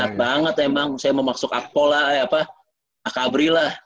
niat banget emang saya mau masuk akpol lah apa akabri lah